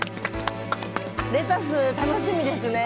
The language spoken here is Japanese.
レタス楽しみですね。